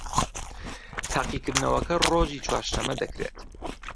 تاقیکردنەوەکە ڕۆژی چوارشەممە دەکرێت